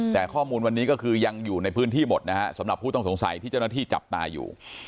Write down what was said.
แต่ข้อมูลวันนี้ก็คือยังอยู่ในพื้นที่หมดนะฮะสำหรับผู้ต้องสงสัยที่เจ้าหน้าที่จับตาอยู่